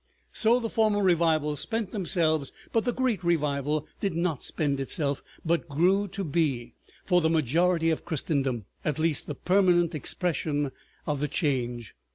So the former revivals spent themselves, but the Great Revival did not spend itself, but grew to be, for the majority of Christendom at least, the permanent expression of the Change.